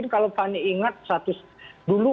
kalau kami ingat dulu